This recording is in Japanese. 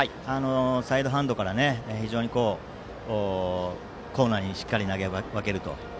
サイドハンドからコーナーにしっかり投げ分けると。